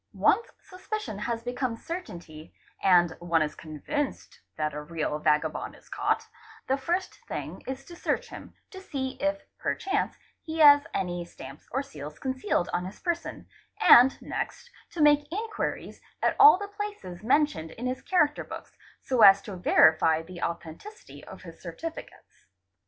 Once suspicion has become certainty and one is convinced that a real vagabond is caught, the first thing is to search him, to see if perchance he has any : stamps or seals concealed on his person, and next to make inquiries at all the places mentioned in his character books, so as to verify the authen ticity of his certificates.